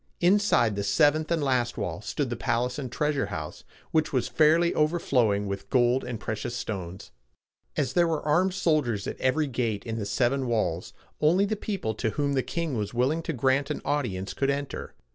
Inside the seventh and last wall stood the palace and treasure house, which was fairly overflowing with gold and precious stones. As there were armed soldiers at every gate in the seven walls, only the people to whom the king was willing to grant an audience could enter.